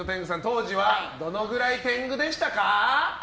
当時はどのくらい天狗でしたか？